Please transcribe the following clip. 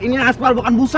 ini asfal bukan busa